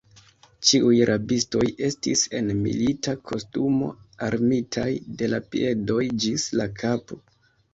Ĉiuj rabistoj estis en milita kostumo, armitaj de la piedoj ĝis la kapo.